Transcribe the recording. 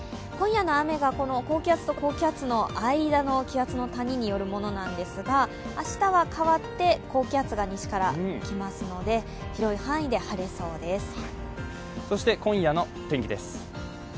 今夜の雨が高気圧と高気圧の間の気圧の谷によるものですが明日は変わって、高気圧が西から来ますので広い範囲で晴れそうです。